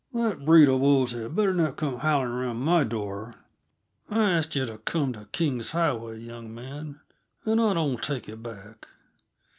That breed uh wolves had better not come howling around my door. I asked yuh to come t' King's Highway, young man, and I don't take it back.